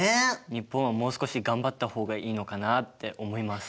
日本はもう少し頑張った方がいいのかなって思います。